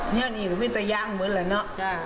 นี่ก็มีแต่ยางเหมือนแหละเนอะ